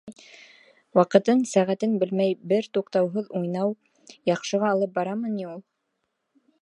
Ваҡытын, сәғәтен белмәй бер туҡтауһыҙ уйнау яҡшыға алып барамы ни ул?!